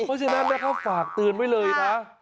เพราะฉะนั้นนะครับฝากตื่นไว้เลยนะ